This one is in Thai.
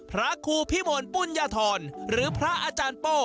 พระครูพิมลปุญญธรหรือพระอาจารย์โป้